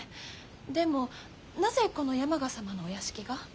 でもなぜこの山賀様のお屋敷が？